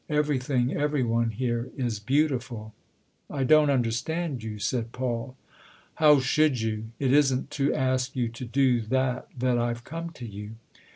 Everything, every one here is beautiful." "I don't understand you," said Paul. " How should you ? It isn't to ask you to do that that I've come to you."